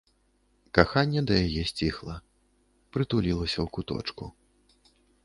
Каханне да яе сціхла, прытулілася ў куточку.